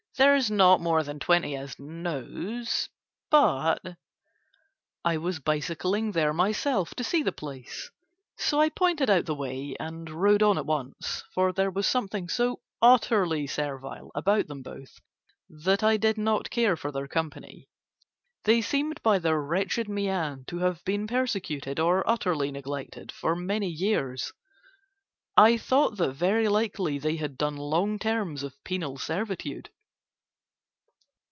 "There's not more than twenty as knows, but...." I was bicycling there myself to see the place so I pointed out the way and rode on at once, for there was something so utterly servile about them both that I did not care for their company. They seemed by their wretched mien to have been persecuted or utterly neglected for many years, I thought that very likely they had done long terms of penal servitude.